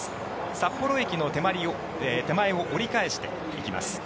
札幌駅の手前を折り返していきます。